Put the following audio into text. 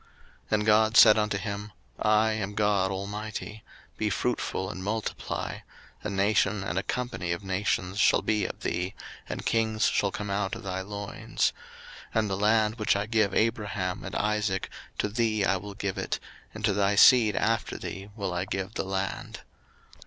01:035:011 And God said unto him, I am God Almighty: be fruitful and multiply; a nation and a company of nations shall be of thee, and kings shall come out of thy loins; 01:035:012 And the land which I gave Abraham and Isaac, to thee I will give it, and to thy seed after thee will I give the land.